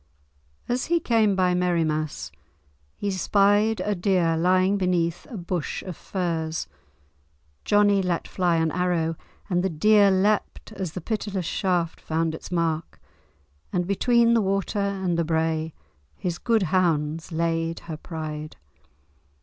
As he came by Merriemass he espied a deer lying beneath a bush of furze. Johnie let fly an arrow, and the deer leapt as the pitiless shaft found its mark, and between the water and the brae his good hounds "laid her pride."